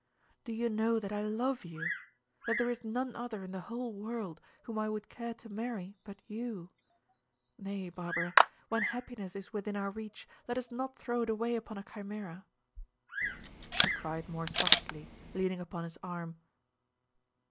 "Do you know that I love you? That there is none other in the whole world whom I would care to marry but you? Nay, Barbara, when happiness is within our reach, let us not throw it away upon a chimera." She cried more softly, leaning upon his arm.